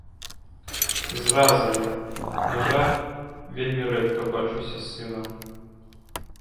Зраза я, на жаль, вельмі рэдка бачуся з сынам.